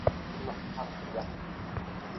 আমি নিজের উজ্জ্বল, মজাদার ও চতুর স্ত্রীকে ফেরত চাই।